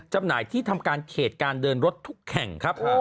จำหน่ายที่ทำการเขตการเดินรถทุกแข่งครับ